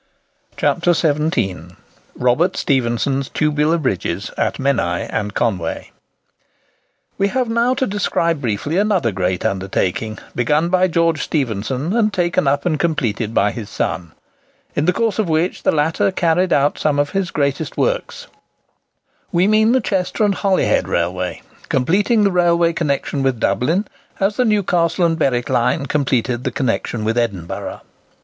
CHAPTER XVII. ROBERT STEPHENSON'S TUBULAR BRIDGES AT MENAI AND CONWAY. We have now to describe briefly another great undertaking, begun by George Stephenson, and taken up and completed by his son, in the course of which the latter carried out some of his greatest works—we mean the Chester and Holyhead Railway, completing the railway connection with Dublin, as the Newcastle and Berwick line completed the connection with Edinburgh.